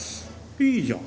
いいじゃん。